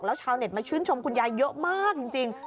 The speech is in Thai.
แล้วชาวเน็ตมาชื่นชมคุณยายเยอะมากจริง